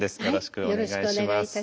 よろしくお願いします。